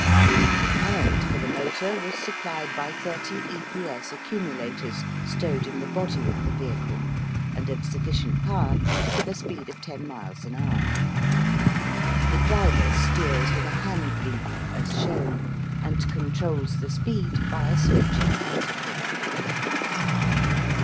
The current for the motor was supplied by thirty "EPS" accumulators stowed in the body of the vehicle, and of sufficient power to give a speed of ten miles an hour. The driver steers with a hand lever as shown, and controls the speed by a switch in front of him.